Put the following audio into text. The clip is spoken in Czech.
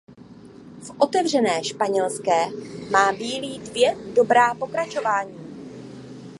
V otevřené španělské má bílý dvě dobrá pokračování.